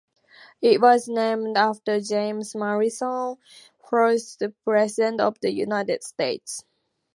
It was named after James Madison, fourth President of the United States.